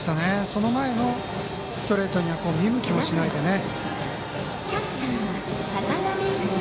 その前のストレートに見向きもしないでね。